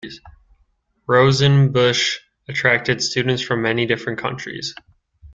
Rosenbusch attracted students from many different countries.